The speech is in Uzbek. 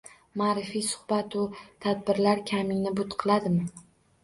Maʼrifiy suhbatu tadbirlar kamingni but qiladimi?